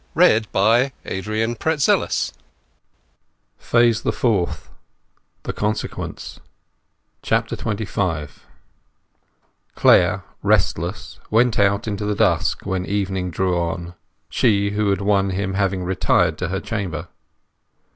End of Phase the Third Phase the Fourth: The Consequence XXV Clare, restless, went out into the dusk when evening drew on, she who had won him having retired to her chamber.